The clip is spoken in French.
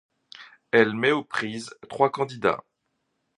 Elle met aux prises trois candidats.